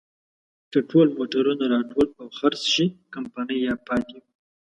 که ټول موټرونه راټول او خرڅ شي، کمپنۍ پاتې وي.